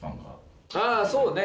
ああそうね！